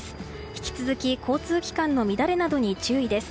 引き続き交通機関の乱れなどに注意です。